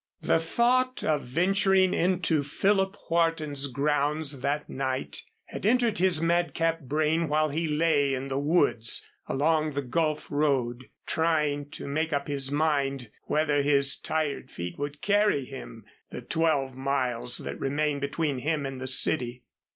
The thought of venturing into Philip Wharton's grounds that night had entered his madcap brain while he lay in the woods along the Gulf Road, trying to make up his mind whether his tired feet would carry him the twelve miles that remained between him and the city.